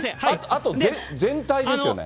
あと全体ですよね。